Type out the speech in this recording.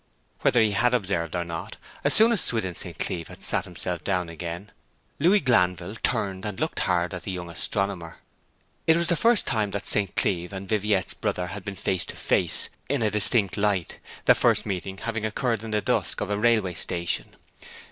Whether he had observed it or not, as soon as St. Cleeve had sat himself down again Louis Glanville turned and looked hard at the young astronomer. This was the first time that St. Cleeve and Viviette's brother had been face to face in a distinct light, their first meeting having occurred in the dusk of a railway station.